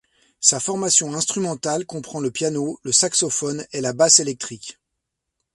Sa formation instrumentale comprend le piano, le saxophone et la basse électrique.